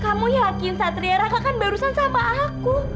kamu yakin satria raka kan barusan sama aku